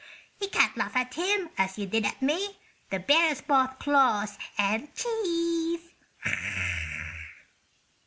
You can't laugh at him as you did at me. The bear has both claws and teeth."